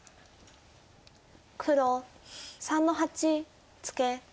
黒３の八ツケ。